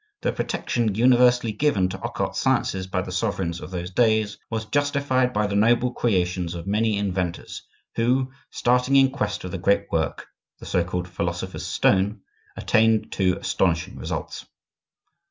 The protection universally given to occult science by the sovereigns of those days was justified by the noble creations of many inventors, who, starting in quest of the Great Work (the so called philosophers' stone), attained to astonishing results.